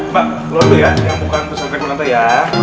bukan berpikir pikir punata ya